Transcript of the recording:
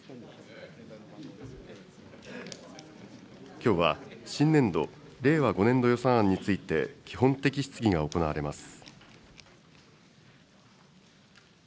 きょうは新年度・令和５年度予算案について、基本的質疑が行われます。